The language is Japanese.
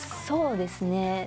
そうですね。